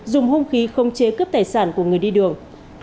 dùng hung khí không chế cướp tài sản của người đi đường